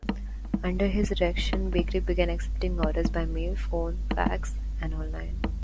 Under his direction, the bakery began accepting orders by mail, phone, fax, and online.